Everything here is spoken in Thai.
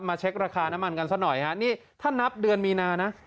เช็คราคาน้ำมันกันซะหน่อยฮะนี่ถ้านับเดือนมีนานะ